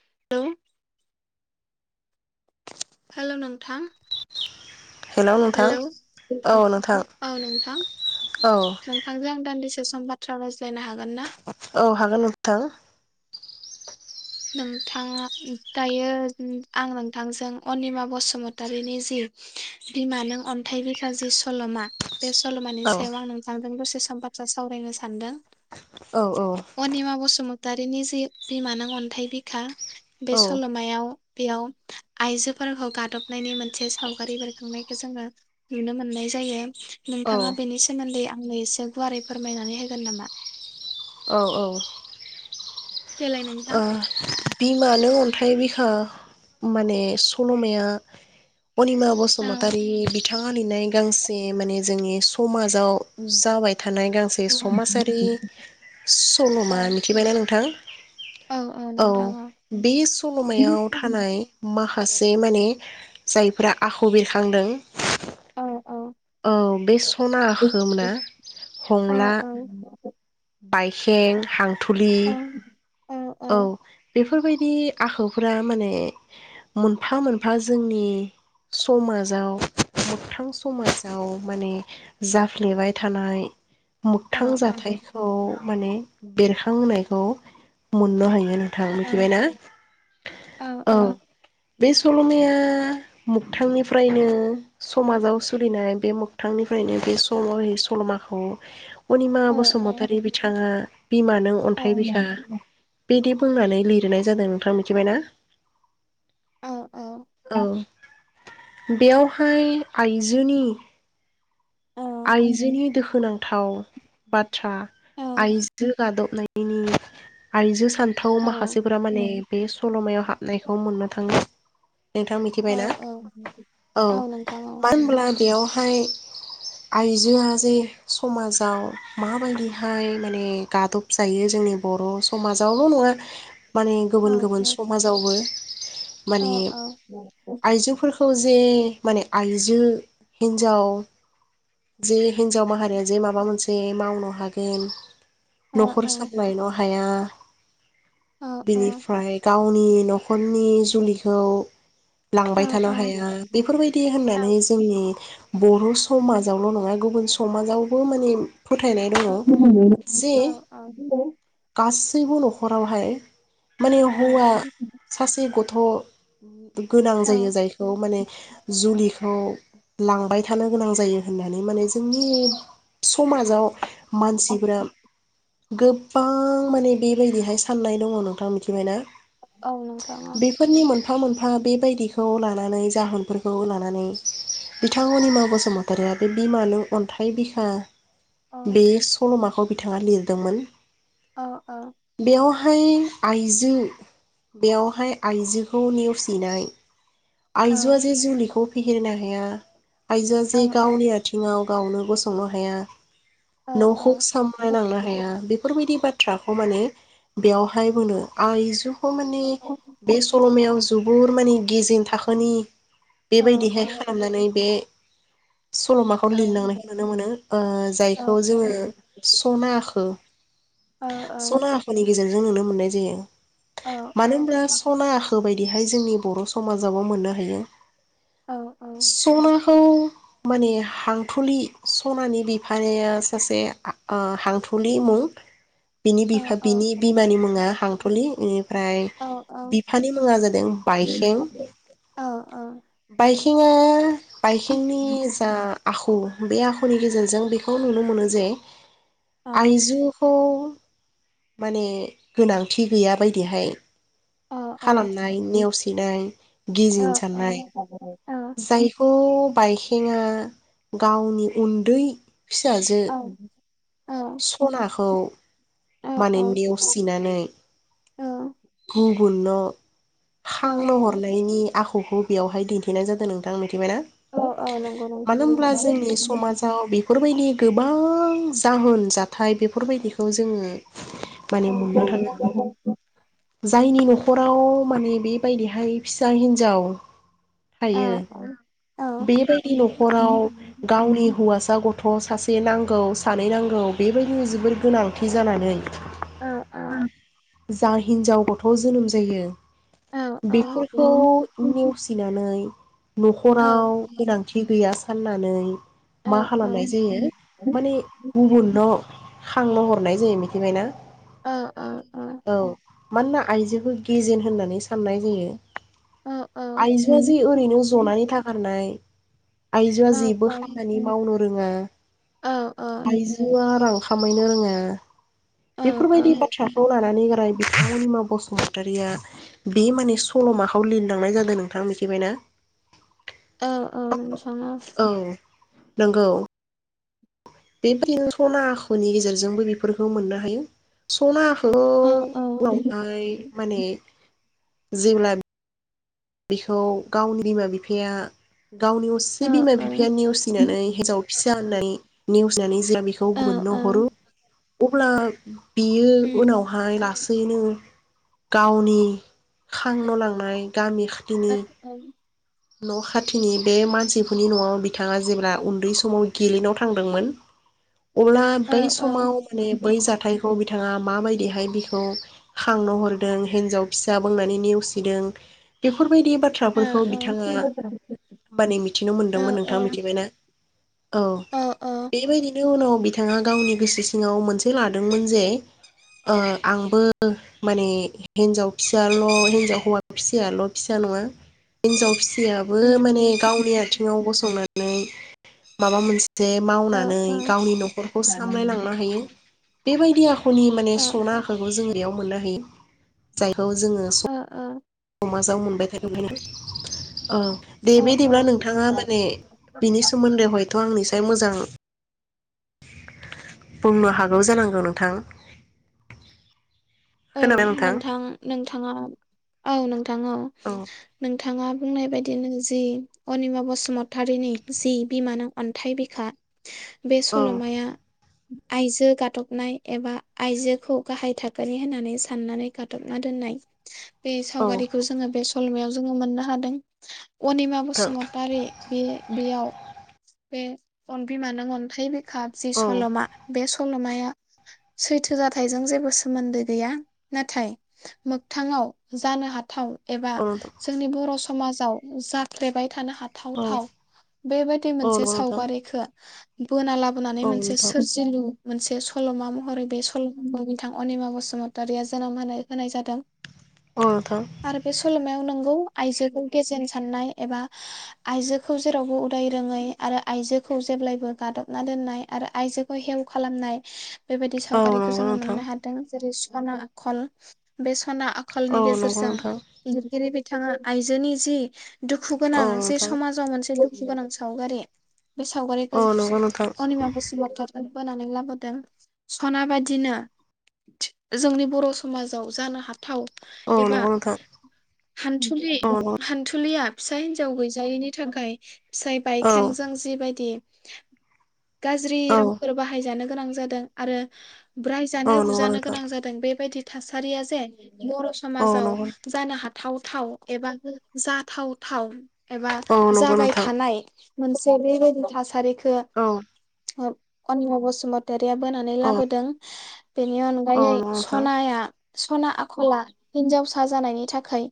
[unintelligible] हेल' नों थां हेलौ औ नोंथां औ नोंथांजों आं दान्दिसे स बाथ्रा रायज्लायनो हा औ हागोन नोंथां नोंथाङा दायो आं नोंथांजों अनिमा बसुमतारिनि जि बिमा नों अन्थाइ बिखा जि सल'मा बे सल'मानि औ सायाव आं नोंथांजों दसे बाथ्रा सावरायनो सानदों औ औ अनिमा बसुम दारिनि जि बिमानां अन थाइ बिखा बे सल'मायाव बेयाव आइजोफोरखौ गादबनायनि मोनसे सावगारि बेरखांनायखौ जोङो नुनो मोननाय जायो। औ नोंथाङा बेनि सोमोन्दै आंनो एसे गुवारै फोरमायनानै होगोन नामा? औ औ ओ देलाय नोंथां बिमानो अन्थाइ बिखा माने सल'माया अनिमा औ बसुमतारि बिथाङा लिरनाय गांसे माने जोंनि समाजाव जाबाय थानाय गांसे औ समाजारि सल'मा मिथिबायना नोंथां औ बे सल'मायाव थानाय मा फासे माने जायफ्रा आखु बेरखांदों औ औ औ बे स सना [inaudible] औ हंला औ बाइखें हां थुलि औ औ बेफोरबायदि आखुफोरा माने मोनफा मोनफा जोंनि समाजाव मोखथां समाजाव माने जाफ्लेबाय थानाय मोगथां जाथायखौ माने बेरखां होनायखौ मोननो हायो नों थां औ मिथिबायना औ बे सल'माया मोखथांनिफ्रायनो समाजाव सोलिनाय बे मोगथांनिफ्रायनो बे सल यै सल'माखौ अनिमा औ बसुमतारी बिथाङा बिमा नों अन्थाइ बिखा बिदि बुंनानै लिरनाय जादों नोंथाङा मिथिबाय ना? औ बेयावहाय आइजोनि आइजोनि दुखुनांथाव बाथ थ्रा औ औ आइजो गादबनाय इनि आइजो स सान्थौ औ माखासेफोरा माने बे सल'मायाव हाबनायखौ मोननो थाङो। नोंथां औ मिथिबायना औ औ मानो नोंथां औ होनब्ला बेयाव हाय आइजोआ जे समाजाव माबायदिहाय माने गादब जायो जोंनि बर' समाजावल' नङा माने औ गुबुन गुबुन समाजावबो औ माने औ आइजोफोरखौज जे माने आइजो हिन्जाव जे हिनजाव माहारिया जे माबा मोनसे माव बहा गोन। औ न'खर सामलायन हा थाया। औ बिनिफ्राय गाव गावनि न'खरनि जुलिखौ लांबाय औ थानो नोंथां हाया बेफोरबायदि होननानै जोंनि बर' समाज जाव ल नङा गुबुन समाजावबो माने फोथायनाय दङ ओ औ औ सैबो न'खरावहाय माने हौवा सासे गथ थ गोनां जायो जायखौ माने जुलिखौ लांबाय थानो गोनां जायो होननानै माने जोंनि समाजाव मानसिफोरा गोबां माने बेबायदिहाय साननाय दंङ नोंथां मिथिबायना औ नोंथांङा बेफोरनि मोनफा मोनफा बे बायदिखौ लानानै जाहोनफोरखौ लानानै बिथां अनिमा बसुमतारी बे बिमानि अन्थाइ बिखा बे सल'माखौ बिथाङा लिरदोंमोन ओ ओ बेहाय आइजो बेवहाय आइजोखौ नेवसिनाय आइजोआ जे जुलिखौ फेहेरनो हाया आइजोआ जे गावनि आथिङाव गावनो गसंनो हाया नखौ सामलायलांनो हाया बे बेफोरबायदि बाथ्राखौ माने बेयावहाय बुंदों आइजु माने बे सल'मायाव जुबुर माने गेजेन थाखोनि बेबायदिहाय खालामनानै बे सल'माखौ लिरलांनायखौ नुनो मोनो ओ जायखौ जोङो स'ना खो स'ना नि गेजे नुनो मोननाय जायो मानो होनब्ला स'ना बायदिहाय जोंनि बर' समाज बिजाबाव मोननो हायो औ औ खौ माने हांथुलि स'नानि बिफाया सासे ओ हांथुलि मुं बिनि बिफा बिनि बिमानि मुङा हांथुलि ओमफ्राय बिफानि मुङा जादों बायखें औ औ [unintelligible] बाइखेंनि जा आखु बे आखु नि गेजेरजों बेखौ नुनो मोनो। जे आइजोखौ माने गोनांथि गैया बायदिहाय खालामनाय नेवसिनाय गिजिन औ औ औ साननाय औ जायखौ पायखेंआ गावनि उन्दै फिसाजो औ औ सना खौ औ मानिन्दियाव सिनानै औ अन औ खां हरनायनि आखुखौ बेवहाय दिन्थिनाय जादों नों निसिम औ औ नंगौ नंगौ मानो नंगौ होनब्ला जोंनि समाजाव बे बेफोरबायदि गोबां जाहोन जाथाय बेफोरबायदिखौ जोङो औ माने मोननो थांङा जायनि न'खराव माने बेबायदिहाय फिसा हिन्जाव औ थायो औ बेबायदि न'खराव गावनि हौवासा बा गथ' सासे नांगौ सानै नांगौ बेबायदिनो जोबोर गोनांथि जानानै औ उम जाहोयो हिनजाव गथ' जोनोम जायो बेफोरखौ फिनानै औ न'खराव गोनांथि गैया फाननानै मा खालामनाय जायो माने गुबुनल' खांनो हरनाय जायो मिथिबायना औ औ औ मानोना आइजोखौ गेजेन होननानै साननाय जायो। आइजोआ जे ओरैनो जनायनि थाखाय थानाय आयजोआ जेबो खामानि मावनो फोरोङा आइजोआ खामायनो रोङा औ बेफोरबायदि बाथ्राखौ लानानै राय बिथां अनिमा बसुमतारिया बे माने सल'माखौ लिरलांनाय जादों नोंथा मिथिबायना। औ औ औ नंगौ। बेबायदिनो सना आखुनि गेजेरजोंबो बेफोरखौ मोननो हायो सना खौ औ औ उनावहाय माने जिवलान बिखौ गावनि बिमा बिफाया गावनि असे औ बिमा औ बिफाया नेवसिनानै हिजाव फिसा होननाय नेवसिनानै जेहा बेखौ मोननो हरो अब्ला बियो उनावहाय लास्ट थैनो गावनि खांन' लांनाय गामि। औ खाथिनि औ। न' खाथिनि बे मानसिफोरनि न'आव बिथाङा जेब्ला उन्दै समाव गेलेनायाव थांदोंमोन। अब्ला बै औ समाव माने औ बै जाथाय खौ बिथाङा माबायदिहाय बिखौ खांनो हरदों हिनजाव फिसा बुंनानै नेवसिदों बेफोरबायदि बाथ्राफोरखौ होमब नै मिथिनो मोनदोंमोन नोंथाङां मिथिबायना? औ बेबायदिनो उनाव बिथाङा गावनि गोसो सिङाव मोनसे लादोंमोन जे ओ आंबो माने हिन्जाव फिसाल' हिनजाव हौवा फिसायल' फिसा नङा हिनजाव फि खुयाबो माने गावनि आथिङाव गसंना नै माबा मोनसे जे मावनानै गावनि न'खरखौ सामलायलांनो हायो। बेबायदि आ खुनि माने सना ओ आखूखौ जों बेयाव मोनो हा हो जाय खौ जोङो स ओ अमाजों मोनबाय थागोन औ। दे ओ बेदिब्ला नोंथाङा ओ माने बिनि सोमोन्दै हयथ' आंनि स मोजां बुंनो हागौ जानांगौ नोंथां । औ नोंथां नोंथाङा औ नों नोंगौ औ नोंथाङा बुंनाय बायदिनो जि अनिमा बसुमतारीनि जि बिमानो अन्थाइ बिखा बे औ सल'माया आयजो गाथबनाय एबा आयजोखौ गाहाय थाखोनि होननानै साननानै गथबना दोननाय बे औ सावगारिखौ जोङो बे सलमायाव जोङो मोननो हादों अनिमा नोंथां बसुमतारी बे बेयाव बे पनबि मान मन थायबाय काबजि औ सल'मा बे सल'माया थाया सैथो जथायजों जेबो सोमोनदै गैया नाथाय मोगथाङाव जानो हाथाव एबा औ नोंथां जोंनि बर' स समाजाव जाल्फेबाय थानो औ हाथावथाव बेबायदि औ मोनसे नंगौ नोंथां सावगारिखौ बोना लाबोनानै औ मोनसे नोंथां सोरजिलु मोनसे सल'मा महरै बे सल'माखौ बिथां अनिमा बसु बसुमतारिया जोनोम होनाय होनाय जादों आरो बे सल'मायाव नों गौ आइजोखौ गेजेन साननाय एबा आइजोखौ जेरावबो उदाय रोङै आरो आइजोखौ जेब्लायबो गादबना दोननाय आरो आइजोखौ हेव खालामनाय बेबायदि सावगारिखौ औ जोङो नोंथां मोननो हादों जेरै बानो आखल बे स साना औ आखलनि नंगौ गेजेरजों नोंथां लिरगिरि बिथांआ आयजोनि जि दुखु गोनां जे औ समाजाव मोनसे गोनां सावगारि बे सावगारि नंगौ नोंथां औ नोंथां औ नंगौ नोंथां अनेमा बसुमतारी बोनानै लाबोदों सना बादिनो जोंनि बर' समाजाव जानो हाथाव औ एबा नंगौ नोंथां हान्थुलि औ हान्थुलिया फिसा हिन्जाव गैजायैनि थाखाय फिसाइ औ बाइखेंजों जिबायदि गाज्रि औ रांफोर बाहायजानो गोनां जादों आरो ब्रायजानो औ नंगौ बुजानो नोंथां गोनां जादों बेबायदि थासारियाखै । बर' औ समाजाव नंगौ जानो हाथाव थाव एबा गो जाथाव थाव एबा औ नंगौ जाबाय नोंथां थानाय मोनसे बेबायदि थासारि [inaudible] औ अनिम बसुमत तारिया बोनानै लाबोदों बिनियाव औ फ्रायै नंगौ नोंथां सनाया सना आखला हिनजावसा जानायनि थाखाय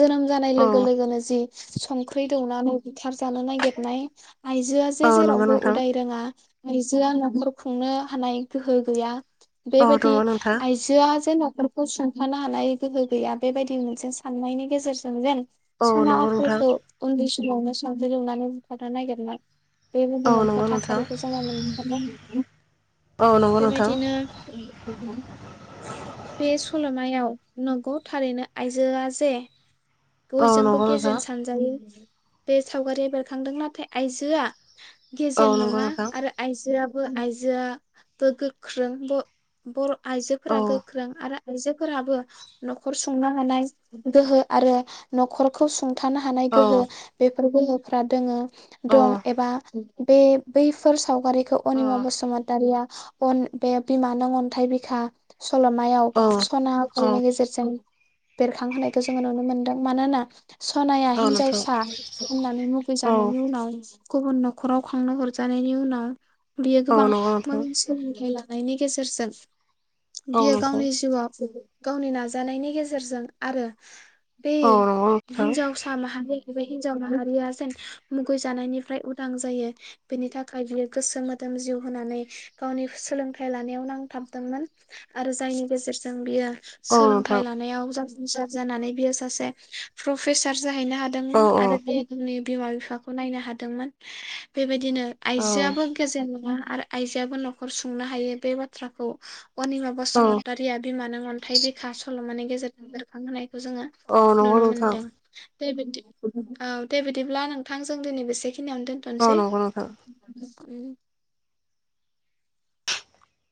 जोनोम जानाय औ लोगो लोगोनो जि संख्रि दौनानै बुथारजानो नागिरनाय आयजोआ जे औ नंगौ जेरावबो नोंथां उदाय रोंङा आइजो आ नखर खुंनो हानाय गोहो गैया। औ बेबायदि नंगौ नोंथां आइजोआ जेन न फोरखौ सुंथानो हानाय गोहो गैया बेबायदि मोनसे साननायनि गेजेरजों जेन औ सना नंगौ नोंथां आखलखौ उनदैसि सिगांवानो संख्रि दौनानै बुथारनो नागिरनाय बेबायदि औ नंगौ मोनसे नोंथां थासारिखौ जोङो मोनबोदों । औ नंगौ नोंथां बेबायदिनो नोंथां । बे सलमायाव नोंगौ थारैनो आइजोआ जे औ बयजोंबो नंगौ गेजेन नोंथां सानजायो बे सावगारिया बेरखांदों नाथाय आइजोआ औ गेजेन नंगौ नङा नोंथां आरो आइजोआ ब बो आइजोआ बो गोख्रों ब बर औ आइजोफोरा गो आरो आइजोफोराबो नखर संनो हानाय गोहो आरो नखरखौ सु सुंथानो हानाय औ गोहो बे फोर गोहोफ्रा दोंङो दं एबा बे बैफोर सावगारि खौ अनिमा औ बसुमतारिया अन बे बिमा नों अन्थाइ बिखा सल'मायाव सना औ औ आखलनि गेजेरजों बेरखांहोनायखौ जोङो नुनो मोनदों मानोना सनाया औ नोंथां हिनजावसा होननानै मुगै औ जानायनि उनाव गुबुन न'खराव खांनो हरजानायनि उनाव बियो औ गोबां नंगौ नोंथां मोजां सोलोंथाइ ला नाइनि गेजेरजों औ बियो नोंथां गावनि जिउआव गावनि नाजानायनि गेजेरजों आरो बे औ नंगौ नोंथां हिनजावसा माहारि बे हिनजाव माहारिया जेन मुगै जानायनिफ्राय उदां जायो बेनि थाखाय बियो गोसो मोदोम जिउ होनानै गावनि सोलोंथाइ लानायाव नांथाबदोंमोन। आरो जायनि गेजेरजों बियो औ सोलोंथाइ नोंथां लानायाव जा फुंसार जानानै बियो सासे प्रफेसार जाहैनो औ हादोंमोन आरो बि [unintelligible] बिमा-बिफाखौ नायनो हादोंमोन बेबायदि दिनो औ आइजोआबो गजेन नङा आरो आइजोआबो न'खर सुंनो हायो बे बाथ्राखौ अनिमा बसुमतारिया बिमा नों अन्थाइ बिखा सल'मानि गेजे जों बेखां होनाय खौ जोङो औ नंगौ नुनो नोंथां मोनदों। दे बिदि औ दे बिदिब्ला नोंथां जों दिनै बेसे खिनिआवनो औ दोनथ'नोसै नंगौ नोंथां । उम।